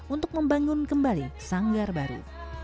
untuk membangun kembali sanggar baru